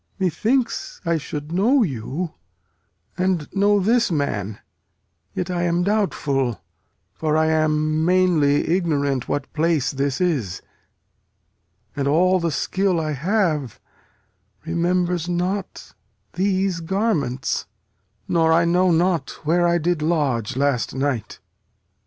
Methinks I should know you, and know this man; Yet I am doubtful; for I am mainly ignorant What place this is; and all the skill I have Remembers not these garments; nor I know not Where I did lodge last night.